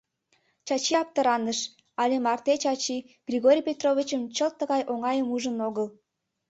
Чачи аптыраныш: але марте Чачи Григорий Петровичым чылт тыгай ойганым ужын огыл.